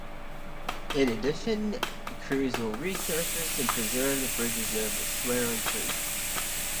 In addition, crews will resurface and preserve the bridges over Swearing Creek.